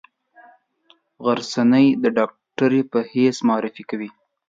غرڅنۍ د ډاکټرې په حیث معرفي کوي.